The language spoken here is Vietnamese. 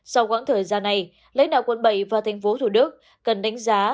sau khoảng thời gian này lãnh đạo quân bầy và tp hcm cần đánh giá